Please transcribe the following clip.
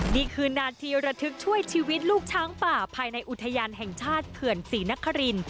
นี่คือนาทีระทึกช่วยชีวิตลูกช้างป่าภายในอุทยานแห่งชาติเขื่อนศรีนคริน